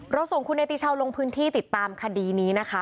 ส่งคุณเนติชาวลงพื้นที่ติดตามคดีนี้นะคะ